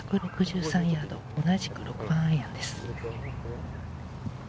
１６３ヤード、同じく６番アイアンです。